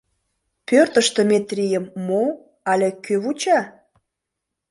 Пӧртыштӧ Метрийым мо але кӧ вуча?